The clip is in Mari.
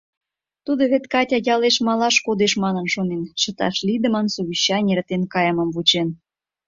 Тудо вет Катя ялеш малаш кодеш манын шонен, чыташ лийдымын совещаний эртен каймым вучен.